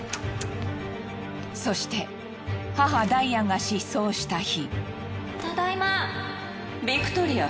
そして母ダイアンが失踪した日。